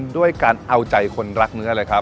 ด้วยการเอาใจคนรักเนื้อเลยครับ